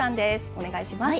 お願いします。